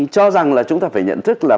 cho rằng là chúng ta phải nhận thức là